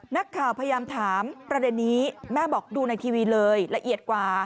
นักข่าวพยายามถามประเด็นนี้แม่บอกดูในทีวีเลยละเอียดกว่า